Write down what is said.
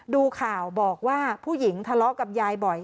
ดูข่าวบอกว่าผู้หญิงทะเลาะกับยายบ่อย